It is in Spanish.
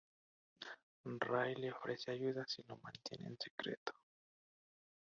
Ray le ofrece ayuda si lo mantiene en secreto.